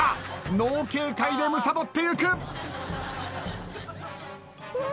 ノー警戒でむさぼっていく。